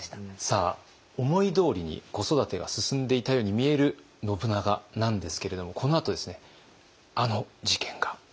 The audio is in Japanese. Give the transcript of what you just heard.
さあ思いどおりに子育てが進んでいたように見える信長なんですけれどもこのあとあの事件が起きます。